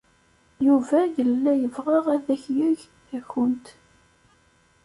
Yuba yella yebɣa ad ak-yeg takunt.